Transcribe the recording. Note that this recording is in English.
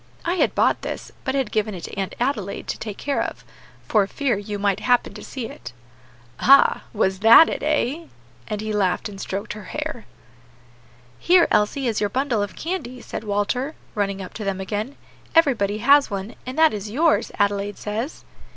I had bought this, but had given it to Aunt Adelaide to take care of, for fear you might happen to see it." "Ah! that was it, eh?" and he laughed and stroked her hair. "Here, Elsie, here is your bundle of candy," said Walter, running up to them again. "Everybody has one, and that is yours, Adelaide says."